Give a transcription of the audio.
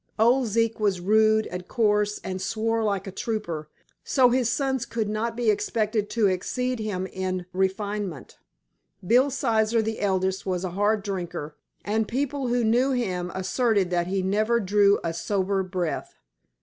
Old Zeke was rude and coarse and swore like a trooper, so his sons could not be expected to excel him in refinement. Bill Sizer, the eldest, was a hard drinker, and people who knew him asserted that he "never drew a sober breath."